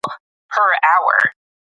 انا په بېړه خپله توره چادري پر سر کړه.